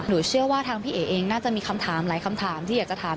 หนูเชื่อว่าทางพี่เอ๋นมีคำถามหลายที่อยากจะถาม